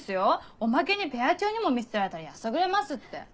おまけにペア長にも見捨てられたらやさぐれますって。